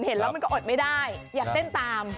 เห็นแล้วมันก็อดไม่ได้อยากเต้นตาม